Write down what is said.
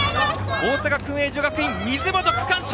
大阪薫英女学院水本、区間賞！